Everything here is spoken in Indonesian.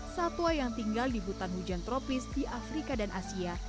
satwa yang tinggal di hutan hujan tropis di afrika dan asia